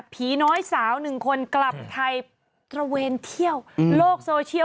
ผีน้อยสาวหนึ่งคนกลับไทยตระเวนเที่ยวโลกโซเชียล